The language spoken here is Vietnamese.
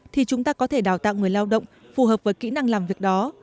thì chúng ta có thể đào tạo người lao động phù hợp với kỹ năng làm việc đó